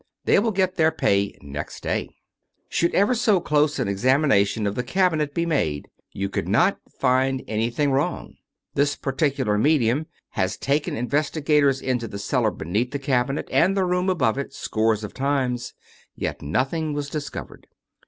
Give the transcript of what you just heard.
They will get their pay next day. 301 True Stories of Modern Magic Should ever so close an examination of the cabinet be made, you would not find anything wrong. This particular medium has taken investigators into the cellar beneath the cabinet, and the room above it, scores of times, yet nothing was discovered.